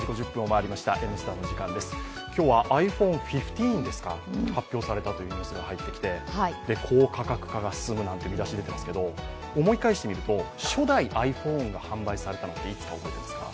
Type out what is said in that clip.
今日はｉＰｈｏｎｅ１５が発表されたというニュースが入ってきて、高価格化が進むなんて見出しが出ていますけど思い返してみると、初代ｉＰｈｏｎｅが販売されたのがいつか覚えてますか？